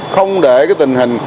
không để tình hình